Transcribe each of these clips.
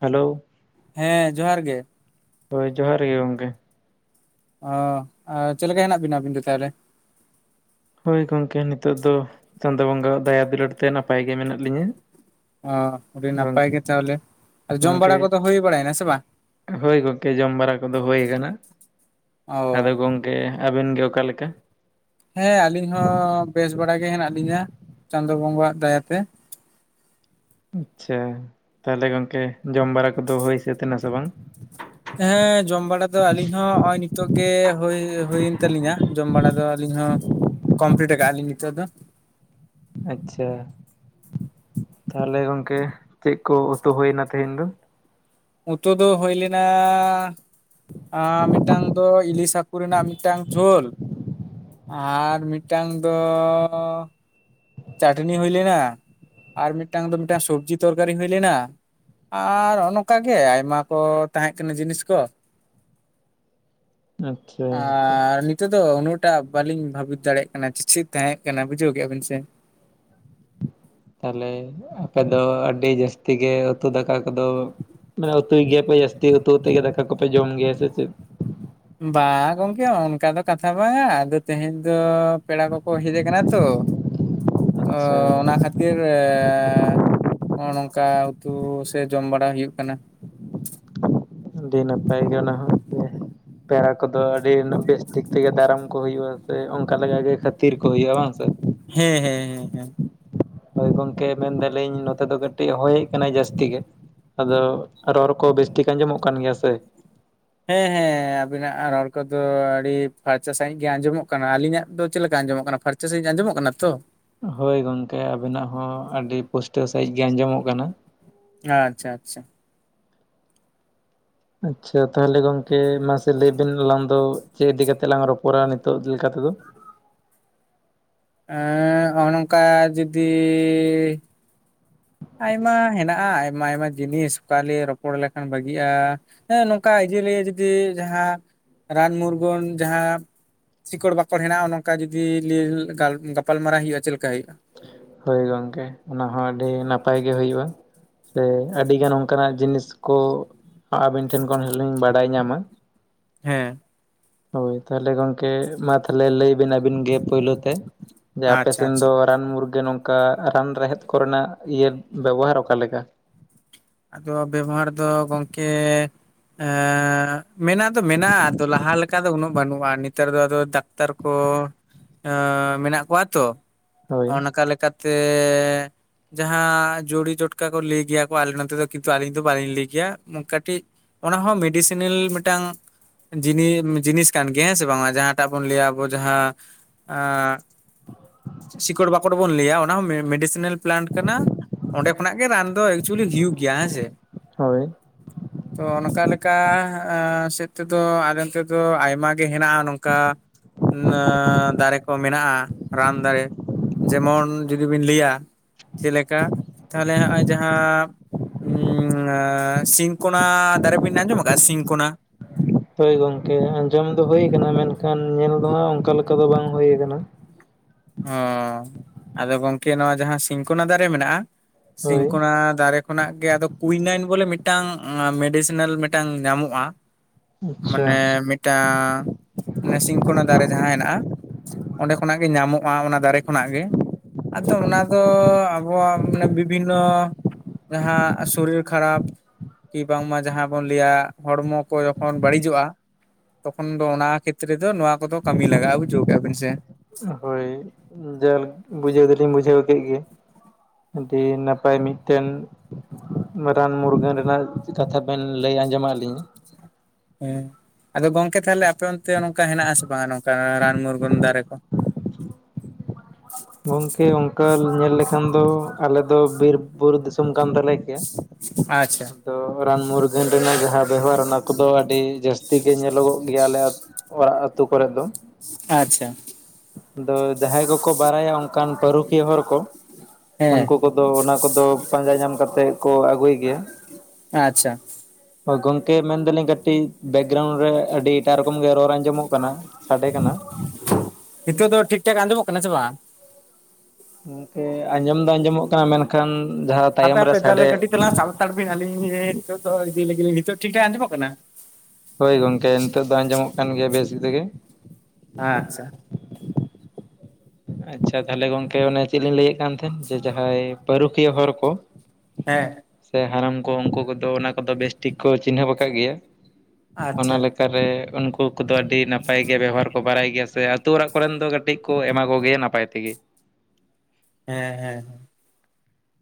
Hello, ᱦᱮᱸ ᱡᱚᱦᱟᱨ ᱜᱮ, ᱦᱳᱭ ᱡᱚᱦᱟᱨ ᱜᱮ ᱜᱚᱝᱠᱮ᱾ ᱚᱸ ᱟᱨ ᱪᱮᱜ ᱞᱮᱠᱟ ᱦᱮᱱᱟᱜ ᱵᱮᱱᱟ ᱟᱹᱵᱤᱱ ᱫᱚ ᱛᱟᱦᱚᱞᱮ? ᱦᱳᱭ ᱜᱚᱝᱠᱮ ᱱᱤᱛᱚᱜ ᱫᱚ ᱪᱟᱸᱫᱚ ᱵᱚᱸᱜᱟᱣᱟᱜ ᱫᱟᱭᱟ ᱫᱩᱞᱟᱹᱲ ᱛᱮ ᱱᱟᱯᱟᱭ ᱜᱮ ᱢᱮᱱᱟᱜ ᱞᱤᱧᱟᱹ᱾ ᱚ ᱟᱹᱰᱤ ᱱᱟᱯᱟᱭ ᱜᱮ ᱛᱟᱦᱚᱞᱮ᱾ ᱟᱨ ᱡᱚᱢ ᱜᱚᱝᱠᱮ ᱵᱟᱲᱟ ᱠᱚᱫᱚ ᱦᱩᱭ ᱵᱟᱲᱟᱭᱮᱱᱟ ᱥᱮ ᱵᱟᱝ ᱦᱳᱭ ᱜᱚᱝᱠᱮ ᱡᱚᱢ ᱵᱟᱨᱟ ᱠᱚᱫᱚ ᱦᱩᱭ ᱠᱟᱱᱟ᱾ ᱚ ᱟᱫᱚ ᱜᱚᱝᱠᱮ ᱟᱵᱮᱱ ᱜᱮ ᱚᱠᱟᱞᱮᱠᱟ? ᱦᱮᱸ ᱟᱹᱞᱤᱧ ᱦᱚᱸ ᱵᱮᱥ ᱵᱟᱲᱟ ᱜᱮ ᱦᱮᱱᱟᱜ ᱞᱤᱧᱟᱹ ᱪᱟᱸᱫᱚ ᱵᱚᱸᱜᱟᱣᱟᱜ ᱫᱟᱭᱟᱛᱮ᱾ ᱟᱪᱪᱷᱟ ᱛᱟᱦᱚᱞᱮ ᱜᱚᱝᱠᱮ ᱡᱚᱢ ᱵᱟᱲᱟ ᱠᱚᱫᱚ ᱦᱩᱭ ᱥᱟᱹᱛ ᱱᱟ ᱥᱮ ᱵᱟᱝ? ᱦᱮᱸ ᱡᱚᱢ ᱵᱟᱲᱟ ᱫᱚ ᱟᱹᱞᱤᱧ ᱦᱚᱸ ᱦᱚᱸᱜᱼᱚᱭ ᱱᱤᱛᱚᱜ ᱜᱮ ᱦᱩᱭ ᱦᱩᱭᱮᱱ ᱛᱟᱹᱞᱤᱧᱟ ᱡᱚᱢ ᱵᱟᱲᱟ ᱫᱚ ᱟᱹᱞᱤᱧ ᱦᱚᱸ, ᱠᱚᱢᱯᱞᱤᱴ ᱠᱟᱜ ᱟᱞᱤᱧ ᱱᱤᱛᱚᱜ ᱫᱚ᱾ ᱟᱪᱪᱷᱟ, ᱛᱟᱦᱚᱞᱮ ᱜᱚᱝᱠᱮ ᱪᱮᱫ ᱠᱚ ᱩᱛᱩ ᱦᱩᱭᱱᱟ ᱛᱮᱦᱮᱧ ᱫᱚ? ᱩᱛᱩ ᱫᱚ ᱦᱩᱭ ᱞᱮᱱᱟ ᱟᱸ ᱢᱤᱜᱴᱟᱝ ᱫᱚ ᱤᱞᱤᱥᱟ ᱠᱩ ᱨᱮᱱᱟᱜ ᱢᱤᱜᱴᱟᱝ ᱡᱷᱳᱞ᱾ ᱟᱨ ᱢᱤᱜᱴᱟᱝ ᱫᱚᱻ ᱪᱟᱹᱴᱱᱤ ᱦᱩᱭ ᱞᱮᱱᱟ ᱟᱨ ᱢᱤᱜᱴᱟᱝ ᱫᱚ ᱢᱤᱜᱴᱟᱝ ᱥᱚᱵᱽᱡᱤ ᱛᱚᱨᱠᱟᱨᱤ ᱦᱩᱭ ᱞᱮᱱᱟ ᱟᱨᱻ ᱚᱱᱚᱠᱟᱜᱮ ᱟᱭᱢᱟ ᱠᱚ ᱛᱟᱦᱮᱸ ᱠᱟᱱᱟ ᱡᱤᱱᱤᱥ ᱠᱚ᱾ ᱟᱪᱪᱷᱟ ᱟᱨ ᱱᱤᱛ ᱛᱮᱫᱚ ᱩᱱᱟᱹᱜ ᱴᱟᱜ ᱵᱟᱹᱞᱤᱧ ᱵᱷᱟᱵᱤᱛ ᱫᱟᱲᱮᱭᱟᱜ ᱠᱟᱱᱟ ᱪᱮᱪᱷᱤᱛ ᱛᱟᱦᱮᱸ ᱠᱟᱱᱟ ᱵᱩᱡᱷᱟᱹᱣ ᱠᱮᱜᱼᱟ ᱵᱮᱱ ᱥᱮ᱾ ᱛᱟᱦᱚᱞᱮ ᱟᱯᱮ ᱫᱚ ᱟᱹᱰᱤ ᱡᱟᱹᱥᱛᱤ ᱜᱮ ᱩᱛᱩ ᱫᱟᱠᱟ ᱠᱚᱫᱚ ᱢᱟᱱᱮ ᱩᱛᱩᱭ ᱜᱮᱭᱟᱯᱮ ᱡᱟᱹᱥᱛᱤ ᱩᱛᱩ ᱛᱮᱜᱮ ᱫᱟᱠᱟ ᱠᱚᱯᱮ ᱡᱚᱢ ᱜᱮᱭᱟ ᱥᱮ ᱪᱮᱜ? ᱵᱟᱝ ᱜᱚᱝᱠᱮ ᱚᱱᱠᱟ ᱫᱚ ᱠᱟᱛᱷᱟ ᱵᱟᱝᱟ ᱟᱫᱚ ᱛᱮᱦᱮᱧ ᱫᱚ ᱯᱮᱲᱟ ᱠᱚᱠᱚ ᱦᱮᱡᱮ ᱠᱟᱱᱟ ᱛᱚ ᱛᱚ ᱟᱪᱪᱷᱟ ᱚᱱᱟ ᱠᱷᱟᱹᱛᱤᱨ ᱮᱸᱻ ᱦᱚᱸᱜᱼᱚ ᱱᱚᱝᱠᱟ ᱩᱛᱩ ᱥᱮ ᱡᱚᱢ ᱵᱟᱲᱟ ᱦᱩᱭᱩᱜ ᱠᱟᱱᱟ᱾ ᱟᱹᱰᱤ ᱱᱟᱯᱟᱭ ᱜᱮ ᱚᱱᱟ ᱦᱚᱸ [unintelligible] ᱯᱮᱲᱟ ᱠᱚᱫᱚ ᱟᱹᱰᱤ ᱩᱱᱟᱹᱜ ᱵᱮᱥ ᱴᱷᱤᱠ ᱛᱮᱜᱮ ᱫᱟᱨᱟᱢ ᱠᱚ ᱦᱩᱭᱩᱜᱼᱟ ᱥᱮ ᱚᱱᱠᱟᱞᱮᱠᱟ ᱜᱮ ᱠᱷᱟᱹᱛᱤᱨ ᱠᱚ ᱦᱩᱭᱩᱜᱼᱟ ᱵᱟᱝ ᱥᱮ᱾ ᱦᱮᱸ ᱦᱮᱸ ᱦᱮᱸ ᱦᱮᱸ᱾ ᱦᱳᱭ ᱜᱚᱢᱠᱮ ᱢᱮᱱᱫᱟᱞᱤᱧ ᱱᱚᱛᱮ ᱫᱚ ᱠᱟᱹᱴᱤᱜ ᱦᱚᱭᱮᱜ ᱠᱟᱱᱟᱭ ᱡᱟᱹᱥᱛᱤ ᱜᱮ᱾ ᱟᱫᱚ ᱨᱚᱨ ᱠᱚ ᱵᱮᱥ ᱴᱷᱤᱠ ᱟᱸᱡᱚᱢᱚᱜ ᱠᱟᱱ ᱜᱮᱭᱟ ᱥᱮ? ᱦᱮᱸ ᱦᱮᱸ ᱟᱸᱵᱤᱱᱟᱜ ᱨᱚᱲ ᱠᱚᱫᱚ ᱟᱹᱰᱤ ᱯᱷᱟᱨᱪᱟ ᱥᱟᱺᱦᱤᱡ ᱜᱮ ᱟᱸᱡᱚᱢᱚᱜ ᱠᱟᱱᱟ᱾ ᱟᱹᱞᱤᱧᱟᱜ ᱫᱚ ᱪᱮᱜ ᱞᱮᱠᱟ ᱟᱸᱡᱚᱢᱚᱜ ᱠᱟᱱᱟ ᱯᱷᱟᱨ ᱪᱟ ᱥᱟᱺᱦᱤᱡ ᱟᱸᱡᱚᱢᱚᱜ ᱠᱟᱱᱟ ᱛᱚ ᱦᱳᱭ ᱜᱚᱝᱠᱮ ᱟᱵᱮᱱᱟᱜ ᱦᱚᱸ ᱟᱹᱰᱤ ᱯᱩᱥᱴᱟᱹᱣ ᱥᱟᱺᱦᱤᱡ ᱜᱮ ᱟᱸᱡᱚᱢᱚᱜ ᱠᱟᱱᱟ᱾ ᱟᱪᱪᱷᱟ ᱟᱪᱪᱷᱟ᱾ ᱟᱪᱪᱷᱟ ᱛᱟᱦᱚᱞᱮ ᱜᱚᱝᱠᱮ ᱢᱟᱥᱮ ᱞᱟᱹᱭᱵᱤᱱ ᱟᱞᱟᱝ ᱫᱚ ᱪᱮᱜ ᱤᱫᱤ ᱠᱟᱛᱮ ᱞᱟᱝ ᱨᱚᱯᱚᱨᱟ ᱱᱤᱛᱚᱜ ᱞᱮᱠᱟ ᱛᱮᱫᱚ? ᱮᱸ ᱚᱱᱚᱝᱠᱟ ᱡᱩᱫᱤ ᱟᱭᱢᱟ ᱦᱮᱱᱟᱜᱼᱟ ᱟᱭᱢᱟ ᱟᱭᱢᱟ ᱡᱤᱱᱤᱥ ᱚᱠᱟᱞᱮ ᱨᱚᱯᱚᱲ ᱞᱮᱠᱷᱟᱱ ᱵᱷᱟᱹᱜᱤᱜᱼᱟ᱾ ᱦᱮᱸ ᱱᱚᱝᱠᱟ ᱤᱡᱤᱞᱤᱭᱟᱹ ᱡᱩᱫᱤ ᱡᱟᱦᱟᱸ ᱨᱟᱱ ᱢᱩᱨᱜᱟᱹᱱ ᱡᱟᱦᱟᱸ ᱥᱤᱚᱠᱲ ᱵᱟᱠᱚᱲ ᱦᱮᱱᱟᱜ-ᱟ ᱱᱚᱝᱠᱟ ᱡᱩᱫᱤ ᱞᱤ ᱜᱟᱞ ᱜᱟᱯᱟᱞᱢᱟᱨᱟᱣ ᱦᱩᱭᱩᱜ-ᱟ ᱪᱮᱜ ᱞᱮᱠᱟ ᱦᱩᱭᱩᱜ-ᱟ᱾ ᱦᱳᱭ ᱜᱚᱝᱠᱮ ᱚᱱᱟ ᱦᱚᱸ ᱟᱹᱰᱤ ᱱᱟᱯᱟᱭ ᱜᱮ ᱦᱩᱭᱩᱜᱼᱟ᱾ ᱥᱮ ᱟᱹᱰᱤᱜᱟᱱ ᱚᱱᱠᱟᱱᱟᱜ ᱡᱤᱱᱤᱥ ᱠᱚ ᱟᱹᱵᱤᱱ ᱴᱷᱮᱱ ᱠᱷᱚᱱ ᱦᱚᱸᱞᱤᱧ ᱵᱟᱰᱟᱭ ᱧᱟᱢᱟ᱾ ᱦᱮᱸ᱾ ᱦᱳᱭ ᱛᱟᱦᱚᱞᱮ ᱜᱚᱝᱠᱮ ᱢᱟ ᱛᱷᱟᱞᱮ ᱞᱟᱹᱭ ᱵᱤᱱ ᱟᱹᱵᱤᱱ ᱜᱮ ᱯᱳᱭᱞᱳ ᱛᱮ, ᱡᱮ ᱟᱯᱮ ᱟᱪᱪᱷᱟ ᱥᱮᱱ ᱟᱪᱪᱷᱟ ᱫᱚ ᱟ ᱨᱟᱱ ᱢᱩᱨᱜᱟᱹᱱ ᱚᱝᱠᱟ ᱨᱟᱱ ᱨᱮᱦᱮᱫ ᱠᱚᱨᱮᱱᱟᱜ ᱤᱭᱟᱹ ᱵᱮᱵᱚᱦᱟᱨ ᱚᱠᱟᱞᱮᱠᱟ? ᱟᱫᱚ ᱵᱮᱵᱚᱦᱟᱨ ᱫᱚ ᱜᱚᱝᱠᱮ ᱮᱸᱜ ᱢᱮᱱᱟᱜ ᱫᱚ ᱢᱮᱱᱟᱜᱼᱟ ᱟᱫᱚ ᱞᱟᱦᱟ ᱞᱮᱠᱟ ᱫᱚ ᱩᱱᱟᱹᱜ ᱵᱟᱹᱱᱩᱜᱼᱟ ᱱᱮᱛᱟᱨ ᱫᱚ ᱟᱫᱚ ᱫᱟᱠ ᱛᱟᱨᱠᱚ ᱟᱸ ᱢᱮᱱᱟᱜ ᱠᱚᱣᱟ ᱛᱚ ᱦᱳᱭ ᱚᱱᱠᱟ ᱞᱮᱠᱟᱛᱮ ᱡᱟᱦᱟᱸ ᱡᱳᱲᱤ ᱴᱚᱴᱠᱟ ᱠᱚ ᱞᱟᱹᱭ ᱜᱮᱭᱟ ᱠᱚ ᱟᱞᱮ ᱱᱚᱛ ᱱᱚᱛᱮ ᱫᱚ ᱠᱤᱱᱛᱩ ᱟᱹᱞᱤᱧ ᱫᱚ ᱵᱟᱹᱞᱤᱧ ᱞᱟᱹᱭ ᱜᱮᱭᱟ ᱠᱟᱹᱴᱤᱡ ᱚᱱᱟᱦᱚᱸ ᱢᱮᱰᱤᱥᱤᱱᱮᱞ ᱢᱤᱴᱟᱝ ᱡᱤᱱᱤ ᱡᱤᱱᱤᱥ ᱠᱟᱱ ᱜᱮᱭᱟ ᱦᱮᱸ ᱥᱮ ᱵᱟᱝ ᱚᱱᱟ ᱡᱟᱦᱟᱸᱴᱟᱜ ᱵᱚᱱ ᱞᱟᱹᱭᱼᱟ ᱟᱵᱚ ᱡᱟᱦᱟᱸ ᱟᱸᱜ, ᱥᱤᱠᱚᱲ ᱵᱟᱠᱚᱲ ᱵᱚᱱ ᱞᱟᱹᱭᱼᱟ ᱚᱱᱟ ᱦᱚᱸ ᱢᱮᱰᱤᱥᱮᱱᱟᱞ ᱯᱞᱮᱱᱴ ᱠᱟᱱᱟ᱾ ᱚᱸᱰᱮ ᱠᱷᱚᱱᱟᱜ ᱜᱮ ᱨᱟᱱ ᱫᱚ ᱮᱠᱪᱩᱭᱮᱞᱤ ᱦᱩᱭᱩᱜ ᱜᱮᱭᱟ ᱦᱮᱸ ᱥᱮ᱾ ᱦᱳᱭ [inaudible] ᱛᱚ ᱚᱱᱠᱟ ᱞᱮᱠᱟ ᱟ ᱥᱮᱫ ᱛᱮᱫᱚ ᱟᱞᱮ ᱚᱱᱛᱮ ᱫᱚ ᱟᱭᱢᱟ ᱜᱮ ᱦᱮᱱᱟᱜᱼᱟ ᱱᱚᱝᱠᱟ ᱱᱟᱹ ᱫᱟᱨᱮ ᱠᱚ ᱢᱮᱱᱟᱜᱼᱟ ᱨᱟᱱ ᱫᱟᱨᱮ᱾ ᱡᱮᱢᱚᱱ ᱡᱩᱫᱤ ᱵᱤᱱ ᱞᱟᱹᱭᱟ ᱪᱮᱫ ᱞᱮᱠᱟ ᱛᱟᱦᱚᱞᱮ ᱦᱚᱸᱜᱼᱚᱭ ᱡᱟᱦᱟᱸ ᱩᱸ ᱟᱸ ᱥᱤᱝ ᱠᱚᱱᱟ ᱫᱟᱨᱮ ᱵᱮᱱ ᱟᱸᱡᱚᱢ ᱟᱠᱟᱜᱼᱟ ᱥᱤᱝᱠᱚᱱᱟ? ᱦᱳᱭ ᱜᱚᱝᱠᱮ ᱟᱸᱡᱚᱢ ᱫᱚ ᱦᱩᱭ ᱠᱟᱱᱟ ᱢᱮᱱᱠᱷᱟᱱ ᱧᱮᱞ ᱫᱚ ᱦᱟᱸᱜ ᱚᱱᱠᱟ ᱞᱮᱠᱟ ᱫᱚ ᱵᱟᱝ ᱦᱩᱭᱠᱟᱱᱟ᱾ ᱚᱸ ᱟᱫᱚ ᱜᱚᱝᱠᱮ ᱱᱚᱣᱟ ᱡᱟᱦᱟᱸ ᱥᱤᱝᱠᱚᱱᱟ ᱫᱟᱨᱮ ᱢᱮᱱᱟᱜᱼᱟ, ᱦᱳᱭ ᱥᱤᱝᱠᱚᱱᱟ ᱫᱟᱨᱮ ᱠᱷᱚᱱᱟᱜ ᱜᱮ ᱟᱫᱚ ᱠᱩᱭᱱᱟᱭᱤᱱ ᱵᱚᱞᱮ ᱢᱤᱴᱴᱟᱝ ᱟᱸ ᱢᱮᱰᱤᱥᱮᱱᱟᱞ ᱢᱤᱴᱟᱝ ᱧᱟᱢᱚᱜᱼᱟ᱾ ᱟᱪᱪᱷᱟ ᱢᱟᱱᱮ ᱢᱤᱫ ᱴᱟᱸ ᱚᱱᱮ ᱥᱤᱝᱠᱳᱱᱟ ᱫᱟᱨᱮ ᱡᱟᱦᱟᱸ ᱦᱮᱱᱟᱜᱼᱟ ᱚᱸᱰᱮ ᱠᱷᱚᱱᱟᱜ ᱜᱮ ᱧᱟᱢᱚᱜ ᱚ ᱟ ᱚᱱᱟ ᱫᱟᱨᱮ ᱠᱷᱚᱱᱟᱜ ᱜᱮ ᱟᱫᱚ ᱚᱱᱟ ᱫᱚ ᱟᱵᱚᱣᱟᱜ ᱢᱟᱱᱮ ᱵᱤᱵᱤᱱᱱᱚ ᱡᱟᱦᱟᱸ ᱥᱚᱨᱤᱨ ᱠᱷᱟᱨᱟᱯ ᱠᱤ ᱵᱟᱝᱢᱟ ᱡᱟᱦᱟᱸ ᱵᱚᱱ ᱞᱟᱹᱭᱟ ᱦᱚᱲᱢᱚ ᱠᱚ ᱡᱚᱠᱷᱚᱱ ᱵᱟᱹᱲᱤᱡᱚᱜᱼᱟ ᱛᱚᱠᱷᱚᱱ ᱫᱚ ᱚᱱᱟ ᱠᱷᱮᱛᱨᱮ ᱫᱚ ᱱᱚᱣᱟ ᱠᱚᱫᱚ ᱠᱟᱹᱢᱤ ᱞᱟᱜᱟᱜᱼᱟ ᱵᱩᱡᱷᱟᱹᱣ ᱠᱮᱜᱼᱟ ᱵᱮᱱ ᱥᱮ᱾ ᱦᱳᱭ ᱡᱟᱞᱠ ᱵᱩᱡᱷᱟᱹᱣ ᱫᱚᱞᱤᱧ ᱵᱩᱡᱷᱟᱹᱣ ᱠᱮᱫ ᱜᱮ, ᱟᱹᱰᱤ ᱱᱟᱯᱟᱭ ᱢᱤᱫᱴᱮᱱ ᱨᱟᱱ ᱢᱩᱨᱜᱟᱹᱱ ᱨᱮᱱᱟᱜ ᱠᱟᱛᱷᱟ ᱵᱮᱱ ᱞᱟᱹᱭ ᱟᱸᱡᱚᱢᱟᱜ ᱞᱤᱧᱟᱹ᱾ ᱦᱮᱸ ᱟᱫᱚ ᱜᱚᱝᱠᱮ ᱛᱷᱟᱞᱮ ᱟᱯᱮ ᱚᱱ ᱛᱮ ᱱᱚᱝᱠᱟ ᱦᱮᱱᱟᱜᱼᱟ ᱥᱮ ᱵᱟᱝᱼᱟ ᱱᱚᱝᱠᱟ ᱨᱟᱱ ᱢᱩᱨᱜᱟᱹᱱ ᱫᱟᱨᱮ ᱠᱚ? ᱜᱚᱝᱠᱮ ᱚᱝᱠᱟ ᱧᱮᱞ ᱞᱮᱠᱷᱟᱱ ᱫᱚ ᱟᱞᱮ ᱫᱚ ᱵᱤᱨ ᱵᱩᱨᱩ ᱫᱤᱥᱚᱢ ᱠᱟᱱ ᱛᱟᱞᱮ ᱜᱮᱭᱟ᱾ ᱟᱪᱪᱷᱟ ᱛᱚ ᱨᱟᱱ ᱢᱩᱨᱜᱟᱹᱱ ᱨᱮᱱᱟᱜ ᱡᱟᱦᱟᱸ ᱵᱮᱵᱦᱟᱨ ᱚᱱᱟ ᱠᱚᱫᱚ ᱟᱹᱰᱤ ᱡᱟᱹᱥᱛᱤ ᱜᱮ ᱧᱮᱞᱚᱜᱚᱜ ᱜᱮᱭᱟ ᱟᱞᱮ ᱟᱛ ᱚᱲᱟᱜ ᱟᱹᱛᱩ ᱠᱚᱨᱮᱜ ᱫᱚ, ᱟᱪᱪᱷᱟ ᱟᱫᱚ ᱡᱟᱦᱟᱸᱭ ᱠᱚᱠᱚ ᱵᱟᱲᱟᱭᱟ ᱚᱱᱠᱟᱱ ᱯᱟᱹᱨᱩᱠᱷᱤᱭᱟᱹ ᱦᱚᱲ ᱠᱚ ᱦᱮᱸ ᱩᱱᱠᱩ ᱠᱚᱫᱚ ᱚᱱᱟ ᱠᱚᱫᱚ ᱯᱟᱸᱡᱟ ᱧᱟᱢ ᱠᱟᱛᱮᱜ ᱠᱚ ᱟᱹᱜᱩᱭ ᱜᱮᱭᱟ᱾ ᱟᱪᱪᱷᱟ ᱦᱚᱸ ᱜᱚᱝᱠᱮ ᱢᱮᱱᱫᱟᱞᱤᱧ ᱠᱟᱹᱴᱤᱡ ᱵᱮᱠᱜᱨᱟᱣᱩᱱᱰ ᱨᱮ ᱟᱹᱰᱤ ᱮᱴᱟᱜ ᱨᱚᱠᱚᱢ ᱜᱮ ᱨᱚᱲ ᱟᱸᱡᱚᱢᱚᱜ ᱠᱟᱱᱟ᱾ ᱥᱟᱰᱮ ᱠᱟᱱᱟ ᱦᱤᱛᱚᱜ ᱫᱚ ᱴᱷᱤᱠ ᱴᱷᱟᱠ ᱟᱸᱡᱚᱢᱚᱜ ᱠᱟᱱᱟ ᱥᱮ ᱵᱟᱝ? ᱜᱚᱝᱠᱮ ᱟᱸᱡᱚᱢ ᱫᱚ ᱟᱸᱡᱚᱢᱚᱜ ᱠᱟᱱᱟ ᱢᱮᱱᱠᱷᱟᱱ ᱡᱟᱦᱟᱸ ᱛᱟᱭᱚᱢ ᱨᱮ ᱥᱟᱰᱮ ᱦᱟᱛᱟᱲᱵᱤᱱ ᱟᱹᱞᱤᱧ ᱱᱤᱛᱚᱜ ᱫᱚ ᱤᱫᱤ ᱞᱤᱜᱤ ᱞᱤᱧ ᱱᱤᱛᱚᱜ ᱴᱷᱤᱠ ᱴᱷᱟᱠ ᱟᱸᱡᱚᱢᱚᱜ ᱠᱟᱱᱟ? ᱦᱳᱭ ᱜᱚᱝᱠᱮ, ᱱᱤᱛᱚᱜ ᱫᱚ ᱟᱸᱡᱚᱢᱚᱜ ᱠᱟᱱ ᱜᱮᱭᱟ ᱵᱮᱥ ᱛᱮᱜᱮ ᱾ ᱟᱪᱪᱷᱟ᱾ ᱟᱪᱪᱷᱟ ᱛᱟᱦᱚᱞᱮ ᱜᱚᱝᱠᱮ, ᱚᱱᱮ ᱪᱮᱫ ᱞᱤᱧ ᱞᱟᱹᱭᱮᱫ ᱠᱟᱱ ᱛᱟᱦᱮᱱ, ᱡᱮ ᱡᱟᱦᱟᱸᱭ ᱯᱟᱹᱨᱩᱠᱷᱤᱭᱟᱹ ᱦᱚᱨ ᱠᱚ ᱾ ᱦᱮᱸ᱾ ᱥᱮ ᱦᱟᱨᱟᱢ ᱠᱚ ᱩᱱᱠᱩ ᱠᱚᱫᱚ ᱚᱱᱟ ᱠᱚᱫᱚ ᱵᱮᱥᱴᱷᱤᱠ ᱠᱚ ᱪᱤᱱᱦᱟᱹᱯ ᱟᱠᱟᱫ ᱜᱮᱭᱟ ᱾ ᱚᱱᱟ ᱟᱪᱪᱷᱟ ᱞᱮᱠ ᱠᱟᱨ ᱨᱮ ᱩᱱᱠᱩ ᱠᱚᱫᱚ ᱟᱹᱰᱤ ᱱᱟᱯᱟᱭ ᱜᱮ ᱵᱮᱵᱚᱦᱟᱨ ᱠᱚ ᱵᱟᱲᱟᱭ ᱜᱮᱭᱟ ᱥᱮ ᱟᱹᱛᱩ ᱚᱲᱟᱜ ᱠᱚᱨᱮᱱ ᱫᱚ ᱠᱟᱹᱴᱤᱡ ᱠᱚ ᱮᱢᱟ ᱠᱚᱣᱟ ᱾ ᱠᱚᱜᱮᱭᱟ ᱱᱟᱯᱟᱭ ᱛᱮᱜᱮ ᱾ ᱦᱮᱸ ᱦᱮᱸ ᱾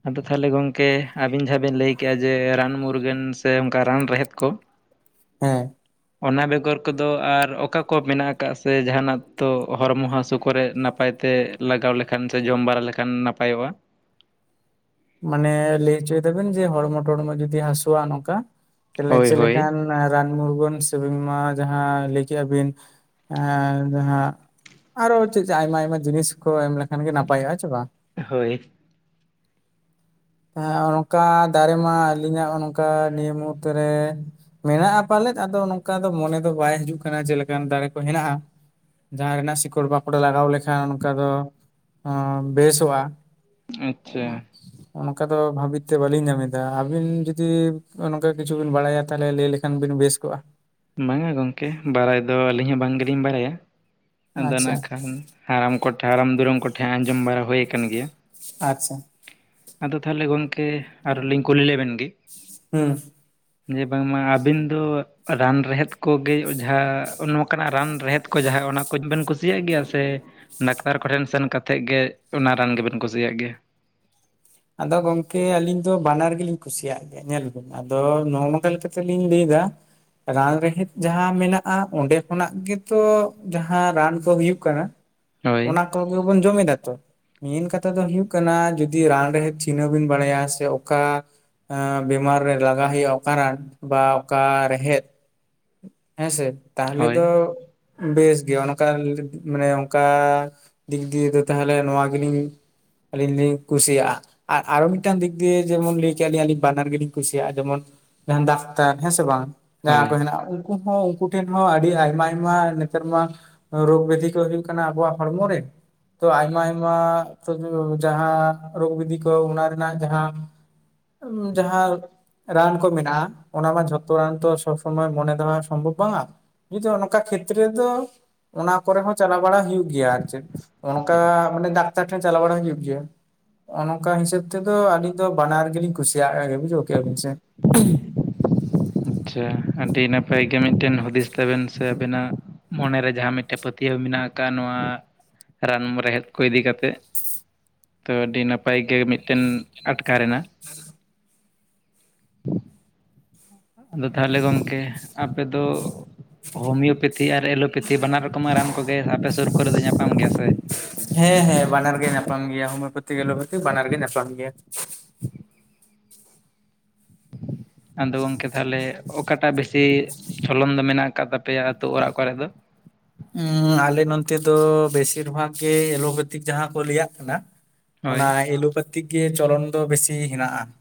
ᱟᱫᱚ ᱛᱟᱦᱚᱞᱮ ᱜᱚᱝᱠᱮ, ᱟᱵᱤᱱ ᱡᱟᱦᱟᱸ ᱵᱤᱱ ᱞᱟᱹᱭ ᱠᱮᱜ-ᱟ ᱡᱮ ᱨᱟᱱ ᱢᱩᱨᱜᱟᱹᱱ ᱾ ᱥᱮ ᱚᱝᱠᱟ ᱨᱟᱱ ᱨᱮᱦᱮᱫ ᱠᱚ ᱾ ᱦᱮᱸ ᱚᱱᱟ ᱵᱮᱜᱚᱨ ᱠᱚᱫᱚ ᱟᱨ ᱚᱠᱟ ᱠᱚ ᱢᱮᱱᱟᱜ ᱟᱠᱟᱜ ᱥᱮ ᱡᱟᱦᱟᱱᱟᱜ ᱛᱚ ᱦᱚᱨᱢᱚ ᱦᱟᱥᱩ ᱠᱚᱨᱮ ᱱᱟᱯᱟᱭ ᱛᱮ ᱞᱟᱜᱟᱣ ᱞᱮᱠᱷᱟᱱ ᱥᱮ ᱡᱚᱢ ᱵᱟᱨᱟ ᱞᱮᱠᱷᱟᱱ ᱱᱟᱯᱟᱭᱚᱜ-ᱟ? ᱢᱟᱱᱮ ᱞᱟᱹᱭ ᱦᱚᱪᱚᱭ ᱫᱟᱵᱮᱱ ᱡᱮ, ᱦᱚᱲᱢᱚ ᱴᱚᱲᱢᱚ ᱡᱩᱫᱤ ᱦᱟᱹᱥᱩᱣᱟ ᱱᱚᱝᱠᱟ ᱛᱟᱦᱚᱞᱮ ᱦᱳᱭ ᱪᱮᱫ ᱦᱳᱭ ᱞᱮᱠᱟᱱ ᱨᱟᱱ ᱢᱩᱨᱜᱳᱱ ᱥᱮ ᱵᱤᱢᱟᱨ ᱡᱟᱦᱟᱸ ᱞᱟᱹᱭ ᱠᱮᱜ-ᱟ ᱵᱤᱱ, ᱮ ᱡᱟᱦᱟᱸ ᱟᱨᱚ ᱪᱮᱫ ᱪᱚ ᱟᱭᱢᱟ ᱟᱭᱢᱟ ᱡᱤᱱᱤᱥ ᱠᱚ ᱮᱢ ᱞᱮᱠᱷᱟᱱ ᱜᱮ ᱱᱟᱯᱟᱭᱚᱜ-ᱟ, ᱦᱮᱸ ᱪᱮ ᱵᱟᱝ? ᱦᱳᱭ ᱾ ᱦᱮᱸ ᱟᱨ ᱚᱝᱠᱟ ᱫᱟᱨᱮ ᱢᱟ ᱟᱹᱞᱤᱧᱟᱜ ᱚᱱ ᱚᱱᱠᱟ ᱱᱤᱭᱟᱹ ᱢᱩᱦᱩᱨᱛᱚ ᱨᱮ ᱢᱮᱱᱟᱜ-ᱟ ᱯᱟᱞᱮᱫ ᱟᱫᱚ ᱱᱚᱝᱠᱟ ᱫᱚ ᱢᱚᱱᱮ ᱫᱚ ᱵᱟᱭ ᱦᱤᱡᱩᱜ ᱠᱟᱱᱟ ᱪᱮᱫ ᱞᱮᱠᱟᱱ ᱫᱟᱨᱮ ᱠᱚ ᱦᱮᱱᱟᱜ-ᱟ ᱾ ᱡᱟᱦᱟᱸ ᱨᱮᱱᱟᱜ ᱥᱤᱠᱚᱲ ᱵᱟᱠᱚᱲ ᱮ ᱞᱟᱜᱟᱣ ᱞᱮᱠᱷᱟᱱ ᱚᱱᱠᱟ ᱫᱚ ᱚ ᱵᱮᱥᱚᱜ-ᱟ ᱾ ᱟᱪᱪᱷᱟ ᱾ ᱚᱱᱠᱟ ᱫᱚ ᱵᱷᱟᱵᱤᱛ ᱛᱮ ᱵᱟᱞᱤᱧ ᱧᱟᱢᱮᱫᱟ, ᱟᱵᱤᱱ ᱡᱩᱫᱤ ᱚᱱᱠᱟ ᱠᱤᱪᱷᱩ ᱵᱤᱱ ᱵᱟᱲᱟᱭᱟ ᱛᱟᱦᱚᱞᱮ ᱞᱟᱹᱭ ᱞᱮᱠ ᱠᱷᱟᱱ ᱵᱤᱱ ᱵᱮᱥ ᱠᱚᱜ-ᱟ ᱾ ᱵᱟᱝᱟ ᱜᱚᱝᱠᱮ ᱵᱟᱲᱟᱭ ᱫᱚ ᱟᱞᱤᱧ ᱦᱚᱸ ᱵᱟᱝ ᱜᱮᱞᱤᱧ ᱵᱟᱲᱟᱭᱟ, ᱟᱫᱚ ᱟᱪᱪᱷᱟ ᱱᱟᱜ ᱠᱷᱟᱱ ᱦᱟᱨᱟᱢ ᱠᱚᱴᱷᱮᱱ, ᱦᱟᱨᱟᱢ ᱫᱩᱨᱩᱢ ᱠᱚᱴᱷᱮᱱ ᱟᱸᱡᱚᱢ ᱵᱟᱲᱟ ᱦᱳᱭ ᱠᱟᱱ ᱜᱮᱭᱟ ᱾ ᱟᱪᱪᱷᱟ ᱾ ᱟᱫᱚ ᱛᱟᱦᱚᱞᱮ ᱜᱚᱝᱠᱮ ᱟᱨᱚ ᱞᱤᱧ ᱠᱩᱞᱤ ᱞᱮᱵᱤᱱ ᱜᱤ᱾ ᱦᱩᱸ ᱾ ᱡᱮ ᱵᱟᱝᱢᱟ ᱟᱵᱤᱱ ᱫᱚ, ᱨᱟᱱ ᱨᱮᱦᱮᱫ ᱠᱚᱜᱮ ᱚᱡᱷᱟ ᱱᱚᱝᱠᱟᱱᱟᱜ ᱨᱟᱱ ᱨᱮᱦᱮᱫ ᱠᱚ ᱡᱟᱦᱟᱸ ᱚᱱᱟ ᱠᱚᱡ ᱵᱮᱱ ᱠᱩᱥᱤᱭᱟᱜ ᱜᱮᱭᱟ ᱥᱮ, ᱰᱟᱠᱛᱟᱨ ᱠᱚᱴᱷᱮᱱ ᱥᱮᱱ ᱠᱟᱛᱮᱫ ᱜᱮ ᱚᱱᱟ ᱨᱟᱱ ᱜᱮᱵᱮᱱ ᱠᱩᱥᱤᱭᱟᱜ ᱜᱮᱭᱟ? ᱟᱫᱚ ᱜᱚᱝᱠᱮ ᱟᱞᱤᱧ ᱫᱚ ᱵᱟᱱᱟᱨ ᱜᱮᱞᱤᱧ ᱠᱩᱥᱤᱭᱟᱜ ᱜᱮ ᱧᱮᱞ ᱵᱤᱱ ᱟᱫᱚ ᱱᱚᱜ-ᱚ ᱱᱚᱝᱠᱟ ᱞᱮᱠᱟ ᱛᱮᱞᱤᱧ ᱞᱟᱹᱭ ᱫᱟ ᱨᱟᱱ ᱨᱮᱦᱮᱫ ᱡᱟᱦᱟᱸ ᱢᱮᱱᱟᱜ-ᱟ, ᱚᱸᱰᱮ ᱠᱷᱚᱱᱟᱜ ᱜᱮᱛᱚ ᱡᱟᱦᱟᱸ ᱨᱟᱱ ᱫᱚ ᱦᱩᱭᱩᱜ ᱠᱟᱱᱟ ᱾ ᱦᱳᱭ ᱚᱱᱟ ᱠᱚᱜᱮ ᱵᱚᱱ ᱡᱚᱢᱮᱫᱟ ᱛᱚ, ᱢᱮᱱ ᱠᱟᱛᱷᱟ ᱫᱚ ᱦᱩᱭᱩᱜ ᱠᱟᱱᱟ ᱡᱩᱫᱤ ᱨᱟᱱ ᱨᱮᱦᱮᱫ ᱪᱤᱱᱦᱟᱹᱣ ᱵᱤᱱ ᱵᱟᱲᱟᱭᱟ ᱥᱮ ᱚᱠᱟ ᱟ ᱵᱤᱢᱟᱨ ᱨᱮ ᱞᱟᱜᱟᱣ ᱦᱩᱭᱩᱜ-ᱟ ᱚᱠᱟ ᱨᱟᱱ ᱵᱟ ᱚᱠᱟ ᱨᱮᱦᱮᱫ᱾ ᱦᱮᱸᱥᱮ, ᱛᱟᱦᱚᱞᱮ ᱦᱳᱭ ᱫᱚ ᱵᱮᱥ ᱜᱮᱭᱟ ᱚᱱᱠᱟ ᱢᱟᱱᱮ ᱚᱝᱠᱟ ᱫᱤᱠ ᱫᱤᱭᱮ ᱫᱚ ᱛᱟᱦᱚᱞᱮ ᱱᱚᱣᱟ ᱜᱮᱞᱤᱧ ᱟᱞᱤᱧ ᱞᱤᱧ ᱠᱩᱥᱤᱭᱟᱜ-ᱟ ᱾ ᱟᱨ ᱟᱨᱚ ᱢᱤᱫᱴᱟᱝ ᱫᱤᱠ ᱫᱤᱭᱮ ᱡᱮᱢᱚᱱ ᱞᱟᱹᱭ ᱠᱮᱜ-ᱟ ᱞᱤᱧ ᱟᱞᱤᱧ ᱵᱟᱱᱟᱨ ᱜᱮᱞᱤᱧ ᱠᱩᱥᱤᱭᱟᱜ-ᱟ, ᱡᱮᱢᱚᱱ ᱡᱟᱦᱟᱸ ᱰᱟᱠᱛᱟᱨ ᱦᱮᱸ ᱥᱮ ᱵᱟᱝ, ᱡᱟᱦᱟᱸ ᱦᱳᱭ ᱠᱚ ᱦᱮᱱᱟᱜ-ᱟ ᱾ ᱩᱱᱠᱩ ᱦᱚᱸ ᱩᱱᱠᱩ ᱴᱷᱮᱱ ᱦᱚᱸ ᱟᱰᱤ ᱟᱭᱢᱟ ᱟᱭᱢᱟ ᱱᱮᱛᱟᱨ ᱢᱟ ᱨᱳᱜᱽ ᱵᱮᱫᱷᱤ ᱠᱚ ᱦᱩᱭᱩᱜ ᱠᱟᱱᱟ ᱟᱵᱚᱣᱟᱜ ᱦᱚᱲᱢᱚ ᱨᱮ ᱛᱚ ᱟᱭᱢᱟ ᱟᱭᱢᱟ [unintelligible] ᱡᱟᱦᱟᱸ ᱨᱳᱜᱽ ᱵᱮᱫᱷᱤ ᱠᱚ ᱚᱱᱟ ᱨᱮᱱᱟᱜ ᱡᱟᱦᱟᱸ ᱡᱟᱦᱟᱸ ᱨᱟᱱ ᱠᱚ ᱢᱮᱱᱟᱜ-ᱟ ᱚᱱᱟᱢᱟ ᱡᱷᱚᱛᱚ ᱨᱟᱱ ᱛᱚ ᱥᱚᱵᱽ ᱥᱚᱢᱚᱭ ᱢᱚᱱᱮ ᱫᱚᱦᱚ ᱥᱚᱢᱵᱷᱚᱵᱽ ᱵᱟᱝᱟ, ᱡᱩᱫᱤ ᱚᱝᱠᱟ ᱠᱷᱮᱛᱨᱮ ᱨᱮᱫᱚ ᱚᱱᱟ ᱠᱚᱨᱮ ᱦᱚᱸ ᱪᱟᱞᱟᱣ ᱵᱟᱲᱟ ᱦᱩᱭᱩᱜ ᱜᱮᱭᱟ ᱟᱨ ᱪᱮᱫ ᱾ ᱚᱱᱠᱟ ᱢᱟᱱᱮ ᱰᱟᱠᱛᱟᱨ ᱴᱷᱮᱱ ᱪᱟᱞᱟᱣ ᱵᱟᱲᱟ ᱦᱩᱭᱩᱜ ᱜᱮᱭᱟ ᱾ ᱚᱱᱠᱟ ᱦᱤᱸᱥᱟᱹᱵᱽ ᱛᱮᱫᱚ ᱟᱹᱞᱤᱧ ᱫᱚ ᱵᱟᱱᱟᱨ ᱜᱮᱞᱤᱧ ᱠᱩᱥᱤᱭᱟᱜ-ᱟ ᱮ ᱵᱩᱡᱷᱟᱹᱣ ᱠᱮᱜᱼᱟ ᱵᱤᱱ ᱥᱮ ᱾ ᱟᱪᱪᱷᱟ ᱟᱹᱰᱤ ᱱᱟᱯᱟᱭ ᱜᱮ ᱢᱤᱫᱴᱮᱱ ᱦᱩᱫᱤᱥ ᱛᱟᱵᱮᱱ ᱥᱮ ᱟᱵᱤᱱᱟᱜ ᱢᱚᱱᱮᱨᱮ ᱡᱟᱦᱟᱸ ᱢᱤᱫᱴᱮᱱ ᱯᱟᱹᱛᱭᱟᱹᱣ ᱢᱮᱱᱟᱜ ᱟᱠᱟᱜ-ᱟ ᱱᱚᱣᱟ ᱨᱟᱱ ᱢᱚ ᱨᱮᱦᱮᱫ ᱠᱚ ᱤᱫᱤ ᱠᱟᱛᱮᱜ ᱛᱚᱵᱮ ᱟᱹᱰᱤ ᱱᱟᱯᱟᱭ ᱜᱮ ᱢᱤᱫᱴᱮᱱ ᱟᱴᱠᱟ ᱨᱮᱱᱟ ᱟᱫᱚ ᱛᱟᱦᱚᱞᱮ ᱜᱚᱢᱠᱮ ᱟᱯᱮ ᱫᱚ ᱦᱳᱢᱤᱭᱳᱯᱮᱛᱷᱤ ᱟᱨ ᱮᱞᱳᱯᱮ ᱛᱷᱤ ᱵᱟᱱᱟᱨ ᱨᱚᱠᱚᱢᱟᱜ ᱨᱟᱱ ᱠᱚᱜᱮ ᱟᱯᱮ ᱥᱩᱨ ᱠᱚᱨᱮ ᱫᱚ ᱧᱟᱯᱟᱢ ᱜᱮᱭᱟ ᱥᱮ ᱦᱮᱸ ᱦᱮᱸ ᱵᱟᱱᱟᱨ ᱜᱮ ᱧᱟᱯᱟᱢ ᱜᱮᱭᱟ ᱦᱳᱢᱤᱭᱳᱯᱮᱛᱷᱤ ᱮᱞᱳᱯᱮᱛᱷᱤ ᱵᱟᱱᱟᱨ ᱜᱮ ᱧᱟᱯᱟᱢ ᱜᱮᱭᱟ ᱾ ᱟᱫᱚ ᱜᱚᱝᱠᱮ ᱛᱟᱦᱚᱞᱮ ᱚᱠᱟᱴᱟᱜ ᱵᱮᱥᱤ ᱪᱷᱚᱞᱚᱱ ᱫᱚ ᱢᱮᱱᱟᱜ ᱟᱠᱟᱜ ᱛᱟᱯᱮᱭᱟ ᱟᱹᱛᱩ ᱚᱲᱟᱜ ᱠᱚᱨᱮ ᱫᱚ? ᱩᱸᱻ ᱟᱞᱮ ᱱᱚᱱᱛᱮ ᱫᱚ ᱵᱮᱥᱤᱨ ᱵᱷᱟᱜᱽ ᱜᱮ ᱮᱞᱳᱯᱮᱛᱷᱤᱠ ᱡᱟᱦᱟᱸ ᱠᱚ ᱞᱟᱹᱭᱟᱜ ᱠᱟᱱᱟ ᱦᱳᱭ ᱚᱱᱟ ᱮᱞᱳᱯᱮᱛᱷᱤᱠ ᱜᱮ ᱪᱚᱞᱚᱱ ᱫᱚ ᱵᱮᱥᱤ ᱦᱮᱱᱟᱜᱼᱟ ᱾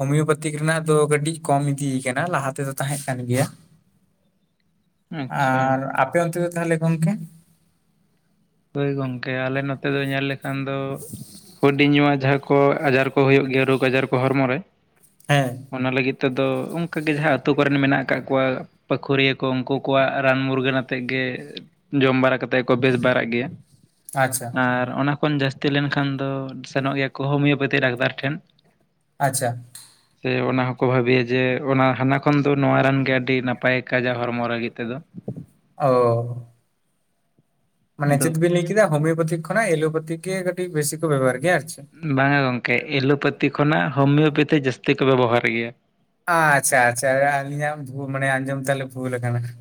ᱦᱳᱢᱤᱭᱚᱯᱮᱛᱷᱤᱠ ᱨᱮᱱᱟᱜ ᱫᱚ ᱠᱟᱹᱴᱤᱡ ᱠᱚᱢ ᱤᱫᱤᱭ ᱠᱟᱱᱟ ᱞᱟᱦᱟ ᱛᱮᱫᱚ ᱛᱟᱦᱮᱸ ᱠᱟᱱ ᱜᱮᱭᱟ ᱾ ᱟᱪᱪᱷᱟ ᱟᱨ ᱟᱯᱮ ᱚᱱᱛᱮ ᱛᱟᱦᱚᱞᱮ ᱜᱚᱝᱠᱮ ᱦᱳᱭ ᱜᱚᱝᱠᱮ ᱟᱞᱮ ᱱᱚᱛᱮ ᱫᱚ ᱧᱮᱞ ᱞᱮᱠᱷᱟᱱ ᱫᱚ ᱦᱩᱰᱤᱧ ᱧᱩᱣᱟᱜ ᱡᱟᱦᱟᱸ ᱠᱚ ᱟᱡᱟᱨ ᱠᱚ ᱦᱩᱭᱩᱜ ᱜᱮᱭᱟ ᱨᱳᱜᱽ ᱟᱡᱟᱨ ᱠᱚ ᱦᱚᱲᱢᱚ ᱨᱮ ᱦᱮᱸ ᱚᱱᱟ ᱞᱟᱹᱜᱤᱫ ᱛᱮᱫᱚ ᱚᱱᱠᱟᱜᱮ, ᱡᱟᱦᱟᱸ ᱟᱹᱛᱳ ᱠᱚᱨᱮᱱ ᱢᱮᱱᱟᱜ ᱟᱠᱟᱫ ᱠᱚᱣᱟ ᱯᱟᱹᱠᱷᱩᱲᱤᱭᱟᱹ ᱠᱚ ᱩᱱᱠᱩ ᱠᱚᱣᱟᱜ ᱨᱟᱱ ᱢᱩᱨᱜᱟᱹᱱ ᱟᱛᱮᱫ ᱜᱮ, ᱡᱚᱢ ᱵᱟᱲᱟ ᱠᱟᱛᱮᱫ ᱠᱚ ᱵᱮᱥ ᱵᱟᱲᱟᱜ ᱜᱮᱭᱟ ᱟᱪᱪᱷᱟ ᱟᱨ ᱚᱱᱟ ᱠᱷᱚᱱ ᱡᱟᱹᱥᱛᱤ ᱞᱮᱱᱠᱷᱟᱱ ᱫᱚ ᱥᱮᱱᱚᱜ ᱜᱮᱭᱟ ᱠᱚ ᱦᱳᱢᱤᱭᱳᱯᱮᱛᱷᱤ ᱰᱟᱠᱛᱟᱨ ᱴᱷᱮᱱ ᱾ ᱟᱪᱪᱷᱟ ᱥᱮ ᱚᱱᱟ ᱦᱚᱸᱠᱚ ᱵᱷᱟᱹᱵᱤᱭᱟ ᱡᱮᱼᱚᱱᱟ ᱦᱟᱱᱟ ᱠᱷᱚᱱ ᱫᱚ ᱱᱚᱣᱟ ᱨᱟᱱ ᱜᱮ ᱟᱹᱰᱤ ᱱᱟᱯ ᱯᱟᱭ ᱠᱟᱡᱟ ᱦᱚᱲᱢᱚ ᱞᱟᱹᱜᱤᱫ ᱛᱮᱫᱚ ᱚ ᱢᱟᱱᱮ ᱟᱫᱚ ᱪᱮᱫ ᱵᱤᱱ ᱞᱟᱹᱭ ᱠᱮᱫᱟ ᱦᱳᱢᱤᱭᱳᱯᱟᱛᱤᱠ ᱠᱷᱚᱱᱟᱜ, ᱮᱞᱳᱯᱟᱛᱷᱤᱠ ᱜᱮ ᱠᱟᱹᱴᱤᱡ ᱵᱮᱥᱤ ᱠᱚ ᱵᱮᱵᱚᱦᱟᱨ ᱜᱮᱭᱟ ᱟᱨ ᱪᱮᱫ? ᱵᱟᱝ-ᱟ ᱜᱚᱢᱠᱮ ᱮᱞᱳᱯᱮᱛᱷᱤ ᱠᱷᱚᱱᱟᱜ ᱦᱳᱢᱤᱭᱳᱯᱮᱛᱷᱤ ᱡᱟᱹᱥᱛᱤ ᱠᱚ ᱵᱮᱵᱚᱦᱟᱨ ᱜᱮᱭᱟ? ᱟᱪᱪᱷᱟ ᱟᱪᱪᱷᱟ ᱟᱹᱞᱤᱧᱟᱜ ᱵᱷᱚ ᱢᱟᱱᱮ ᱟᱸᱡᱚᱢ ᱛᱟᱞᱮ ᱵᱷᱩᱞ ᱟᱠᱟᱱᱟ ᱾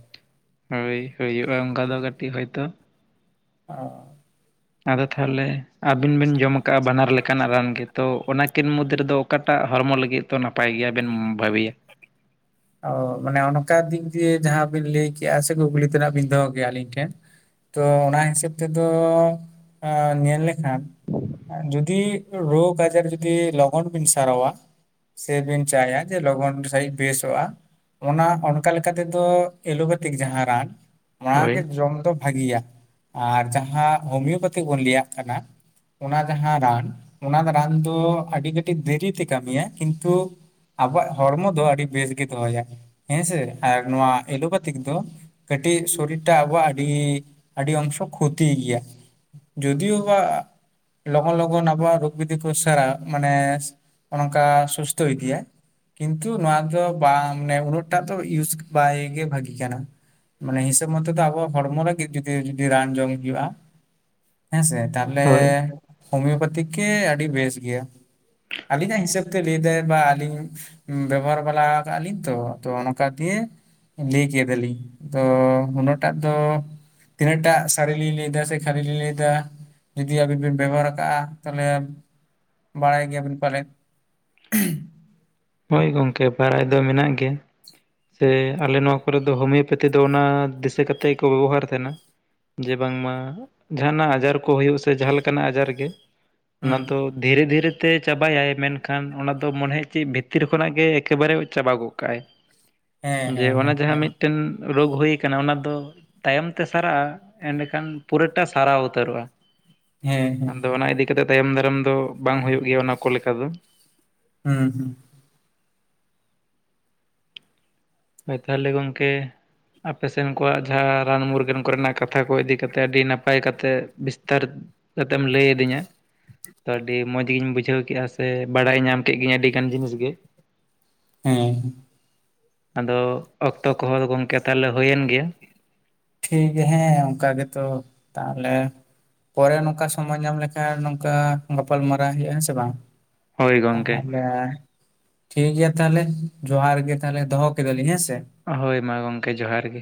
ᱦᱳᱭ ᱦᱩᱭᱩᱜᱼᱟ ᱚᱱᱠᱟ ᱫᱚ ᱠᱟᱹᱴᱤᱡ ᱦᱳᱭᱛᱚ ᱚ ᱟᱫᱚ ᱛᱟᱦᱚᱞᱮ ᱟᱹᱵᱤᱱ ᱵᱤᱱ ᱡᱚᱢ ᱟᱠᱟᱜᱼᱟ ᱵᱟᱱᱟᱨ ᱞᱮᱠᱟᱱᱟᱜ ᱨᱟᱱ ᱜᱮ ᱛᱚ, ᱚᱱᱟᱠᱤᱱ ᱢᱩᱫᱽ ᱨᱮᱫᱚ ᱚᱠᱟᱴᱟᱜ ᱦᱚᱲᱢᱚ ᱞᱟᱹᱜᱤᱫ ᱫᱚ ᱱᱟᱯᱟᱭ ᱜᱮᱭᱟ ᱵᱮᱱ ᱵᱷᱟᱹᱵᱤᱭᱟ? ᱚ ᱢᱟᱱᱮ ᱚᱱᱠᱟ ᱫᱤᱠ ᱫᱤᱭᱮ ᱡᱟᱦᱟᱸ ᱵᱤᱱ ᱞᱟᱹᱭ ᱠᱮᱜᱼᱟ ᱥᱮ ᱠᱩᱠᱞᱤ ᱛᱮᱱᱟᱜ ᱵᱤᱱ ᱫᱚᱦᱚ ᱠᱮᱜ-ᱟ ᱟᱹᱞᱤᱧ ᱴᱷᱮᱱ? ᱛᱚ ᱚᱱᱟ ᱦᱤᱥᱟᱹᱵ ᱛᱮᱫᱚ ᱮᱸ ᱧᱮᱞ ᱞᱮᱠᱷᱟᱱ ᱡᱩ ᱫᱤ ᱨᱳᱜᱽ ᱟᱡᱟᱨ ᱡᱩᱫᱤ ᱞᱚᱜᱚᱱ ᱵᱤᱱ ᱥᱟᱨᱟᱣᱟ ᱥᱮᱵᱤᱱ ᱪᱟᱭᱟ ᱡᱮ ᱞᱚᱜᱚᱱ ᱥᱟᱺᱦᱤᱡ ᱵᱮᱥᱚᱜᱼᱟ? ᱚᱱᱟ ᱚᱱᱠᱟ ᱞᱮᱠᱟ ᱛᱮᱫᱚ ᱮᱞᱳᱯᱮᱛᱷᱤᱠ ᱡᱟᱦᱟᱸ ᱨᱟᱱ ᱚᱱᱟᱜᱮ ᱦᱳᱭ ᱡᱚᱢ ᱫᱚ ᱵᱷᱟᱹᱜᱤᱭᱟ ᱟᱨ ᱡᱟᱦᱟᱸ ᱦᱳᱢᱤᱭᱳᱯᱮᱛᱷᱤ ᱵᱚᱱ ᱞᱟᱹᱭᱟᱜ ᱠᱟᱱᱟ ᱚᱱᱟ ᱡᱟᱦᱟᱸ ᱨᱟᱱ ᱚᱱᱟ ᱨᱟᱱ ᱫᱚ ᱟᱹᱰᱤ ᱠᱟᱹᱴᱤᱡ ᱫᱮᱨᱤᱛᱮ ᱠᱟᱹᱢᱤᱭᱟ ᱠᱤᱱᱛᱩ ᱟᱵᱚᱣᱟᱜ ᱦᱚᱲᱢᱚ ᱫᱚ ᱟᱹᱰᱤ ᱵᱮᱥᱜᱮ ᱫᱚᱦᱚᱭᱟ ᱦᱮᱸᱥᱮ ᱟᱨ ᱱᱚᱣᱟ ᱮᱞᱳᱯᱛᱷᱤᱠ ᱫᱚ ᱠᱟᱹᱴᱤᱡ ᱥᱚᱨᱤᱨ ᱴᱟᱜ ᱟᱵᱚᱣᱟᱜ ᱟᱹᱰᱤ ᱟᱹᱰᱤ ᱚᱝᱥᱚ ᱠᱷᱚᱛᱤᱭ ᱜᱮᱭᱟ ᱾ ᱡᱩᱫᱤᱭᱟᱹ ᱵᱟ ᱞᱚᱜᱚᱱ ᱞᱚᱜᱚᱱ ᱟᱵᱚᱣᱟᱜ ᱨᱳᱜᱽ ᱵᱤᱫᱷᱤ ᱠᱚ ᱥᱟᱨᱟᱣ ᱢᱟᱱᱮ ᱚᱱᱠᱟ ᱥᱩᱥᱛᱷᱚ ᱤᱫᱤᱭᱟᱭ ᱾ ᱠᱤᱱᱛᱩ ᱱᱚᱣᱟ ᱫᱚ ᱵᱟᱝ ᱱᱮᱵᱷᱨᱚᱢ ᱴᱟᱜ ᱫᱚ ᱤᱭᱩᱥ ᱵᱟᱭ ᱜᱮ ᱵᱷᱟᱹᱜᱤ ᱠᱟᱱᱟ? ᱢᱟᱱᱮ ᱦᱤᱥᱟᱹᱵ ᱢᱚᱛᱚ ᱫᱚ ᱟᱵᱚ ᱦᱚᱲᱢᱚ ᱞᱟᱹᱜᱤᱫ ᱡᱩᱫᱤ ᱡᱩᱫᱤ ᱨᱟᱱ ᱡᱚᱢ ᱦᱩᱭᱩᱜᱼᱟ ᱦᱮᱸᱥᱮ ᱛᱟᱦᱚᱞᱮ ᱦᱳᱭ ᱦᱳᱢᱤᱭᱳᱯᱮᱛᱷᱤᱠ ᱜᱮ ᱟᱹᱰᱤ ᱵᱮᱥ ᱜᱮᱭᱟ ᱾ ᱟᱹᱞᱤᱧᱟᱜ ᱦᱤᱥᱟᱹᱵᱽ ᱛᱮ ᱞᱟᱹᱭ ᱮᱫᱟᱭ ᱵᱟ ᱟᱹᱞᱤᱧ ᱵᱮᱵᱚᱦᱟᱨ ᱵᱟᱞᱟ ᱠᱟᱜ-ᱟ ᱞᱤᱧ ᱛᱚ ᱟᱫᱚ ᱚᱱᱠᱟ ᱜᱮ ᱞᱟᱹᱭ ᱠᱮᱫᱟᱞᱤᱧ ᱟᱫᱚ ᱩᱱᱟᱹᱜ ᱴᱟᱜ ᱫᱚ ᱛᱤᱱᱟᱹᱜᱴᱟᱜ ᱥᱟᱹᱨᱤ ᱞᱤᱧ ᱞᱟᱹᱭ ᱮᱫᱟ, ᱥᱮ ᱠᱷᱟᱹᱞᱤ ᱞᱤᱧ ᱞᱟᱹᱭ ᱮᱫᱟ ᱾ ᱡᱩᱫᱤ ᱟᱵᱤᱱ ᱵᱤᱱ ᱵᱮᱵᱚᱦᱟᱨ ᱠᱟᱜ-ᱟ ᱛᱟᱦᱚᱞᱮ ᱵᱟᱲᱟᱭ ᱜᱮᱭᱟᱵᱤᱱ ᱯᱟᱞᱮᱫ ᱾ [inaudible] ᱦᱳᱭ ᱜᱚᱝᱠᱮ ᱵᱟᱲᱟᱭ ᱫᱚ ᱢᱮᱱᱟᱜ ᱜᱮᱭᱟ ᱾ ᱥᱮ ᱟᱞᱮ ᱱᱚᱣᱟ ᱠᱚᱨᱮ ᱫᱚ ᱦᱳᱢᱤᱭᱳᱯᱮᱛᱷᱤ ᱫᱚ ᱚᱱᱟ ᱫᱤᱥᱟᱹ ᱠᱟᱛᱮ ᱜᱮ ᱠᱚ ᱵᱮᱵᱚᱦᱟᱨ ᱛᱟᱦᱮᱱᱟ ᱾ ᱡᱮ ᱵᱟᱝᱢᱟ ᱡᱟᱦᱟᱱᱟᱜ ᱟᱡᱟᱨ ᱠᱚ ᱦᱩᱭᱩᱜ ᱥᱮ ᱡᱟᱦᱟᱸ ᱞᱮᱠᱟᱱᱟᱜ ᱟᱡᱟᱨ ᱜᱮ ᱚᱱᱟ ᱦᱩᱸ ᱫᱚ ᱫᱷᱤᱨᱮ ᱫᱷᱤᱨᱮᱛᱮ ᱪᱟᱵᱟᱭᱟᱭ ᱢᱮᱱᱠᱷᱟᱱ ᱚᱱᱟ ᱫᱚ ᱢᱚᱱᱮᱦᱚᱭ ᱪᱮᱫ ᱵᱷᱤᱛ ᱛᱤᱨ ᱠᱷᱚᱱᱟᱜ ᱜᱮ ᱮᱠᱮᱵᱟᱨᱮ ᱪᱟᱵᱟ ᱜᱚᱫ ᱠᱟᱜ-ᱟᱭ ᱦᱮᱸ ᱡᱮ ᱦᱮᱸ ᱚᱱᱟ ᱦᱮᱸ ᱡᱟᱦᱟᱸ ᱦᱮᱸ ᱢᱤᱫᱴᱮᱱ ᱨᱳᱜᱽ ᱦᱩᱭ ᱟᱠᱟᱱᱟ ᱚᱱᱟ ᱫᱚ ᱛᱟᱭᱚᱢᱛᱮ ᱥᱟᱨᱟᱜ-ᱟ ᱮᱸᱰᱮᱠᱷᱟᱱ ᱯᱩᱨᱟᱹᱴᱟᱜ ᱥᱟᱨᱟᱣ ᱩᱛᱟᱹᱨᱚᱜ-ᱟ ᱾ ᱦᱮᱸ ᱦᱮᱸ ᱦᱩᱸ ᱟᱫᱚ ᱚᱱᱟ ᱤᱫᱤ ᱠᱟᱛᱮ ᱛᱟᱭᱚᱢ ᱫᱟᱨᱟᱢ ᱫᱚ ᱵᱟᱝ ᱦᱩᱭᱩᱜ ᱜᱮᱭᱟ ᱚᱱᱟ ᱠᱚ ᱞᱮᱠᱟ ᱫᱚ ᱾ ᱦᱮᱸ ᱦᱩᱸ ᱾ ᱦᱚᱭ ᱛᱟᱦᱚᱞᱮ ᱜᱚᱝᱠᱮ ᱟᱯᱮ ᱥᱮᱱ ᱠᱚᱣᱟᱜ ᱡᱟᱦᱟᱸ ᱨᱟᱱ ᱢᱩᱨᱜᱟᱹᱱ ᱠᱚᱨᱮᱱᱟᱜ ᱠᱟᱛᱷᱟ ᱠᱚ ᱤᱫᱤ ᱠᱟᱛᱮ ᱟᱹᱰᱤ ᱱᱟᱯᱟᱭ ᱠᱟᱛᱮ ᱵᱤᱥᱛᱟᱨ ᱠᱟᱛᱮᱢ ᱞᱟᱹᱭ ᱟᱹᱫᱤᱧᱟ᱾ ᱟᱹᱰᱤ ᱢᱚᱡᱽ ᱜᱤᱧ ᱵᱩᱡᱷᱟᱹᱣ ᱠᱮᱫ-ᱟ ᱥᱮ ᱵᱟᱲᱟᱭ ᱧᱟᱢ ᱠᱮᱫ ᱜᱤᱧ ᱟᱹᱰᱤ ᱜᱟᱱ ᱡᱤᱱᱤᱥ ᱜᱮ᱾ ᱦᱮᱸ ᱾ ᱟᱫᱚ ᱚᱠᱛᱚ ᱠᱚᱦᱚᱸ ᱜᱚᱝᱠᱮ ᱛᱟᱦᱚᱞᱮ ᱦᱩᱭᱮᱱ ᱜᱮᱭᱟ᱾ ᱴᱷᱤᱠ ᱜᱮᱭᱟ ᱦᱮᱸ ᱚᱱᱠᱟ ᱜᱮᱛᱚ ᱛᱟᱦᱚᱞᱮ᱾ ᱯᱚᱨᱮ ᱱᱚᱝᱠᱟ ᱥᱚᱢᱚᱭ ᱧᱟᱢ ᱞᱮᱠᱷᱟᱱ ᱱᱚᱝᱠᱟ ᱜᱟᱯᱟᱞᱢᱟᱨᱟᱣ ᱦᱩᱭᱩᱜ-ᱟ ᱦᱮᱸ ᱥᱮ ᱵᱟᱝ᱾ ᱦᱳᱭ ᱜᱚᱝᱠᱮ ᱛᱟᱦᱞᱮ ᱴᱷᱤᱠ ᱜᱮᱭᱟ ᱛᱟᱦᱚᱞᱮ ᱡᱚᱦᱟᱨ ᱜᱮ ᱛᱟᱦᱚᱞᱮ ᱫᱚᱦᱚ ᱠᱮᱫᱟᱞᱤᱧ ᱦᱮᱸ ᱥᱮ ᱾ ᱦᱳᱭ ᱢᱟ ᱜᱚᱢᱠᱮ ᱡᱚᱦᱟᱨ ᱜᱮ᱾